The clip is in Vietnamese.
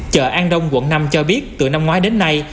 chợ an đông quận năm cho biết từ năm ngoái đến nay